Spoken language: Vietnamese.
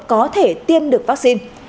có thể tiêm được vaccine